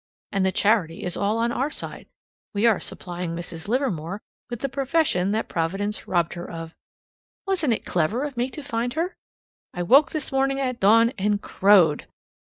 And the charity is all on our side. We are supplying Mrs. Livermore with the profession that Providence robbed her of. Wasn't it clever of me to find her? I woke this morning at dawn and crowed!